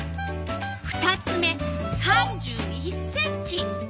２つ目３１ｃｍ。